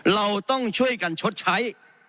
เราต้องช่วยกันชดใช้